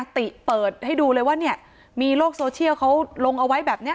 ติเปิดให้ดูเลยว่าเนี่ยมีโลกโซเชียลเขาลงเอาไว้แบบนี้